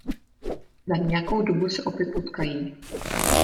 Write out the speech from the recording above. Za nějakou dobu se opět potkají...